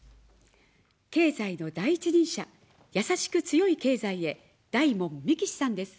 経済の第一人者、やさしく強い経済へ、大門みきしさんです。